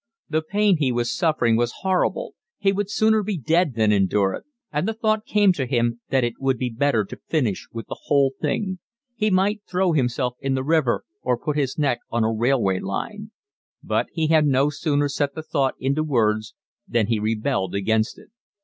The pain he was suffering was horrible, he would sooner be dead than endure it; and the thought came to him that it would be better to finish with the whole thing: he might throw himself in the river or put his neck on a railway line; but he had no sooner set the thought into words than he rebelled against it.